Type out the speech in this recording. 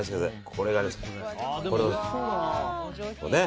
これをね。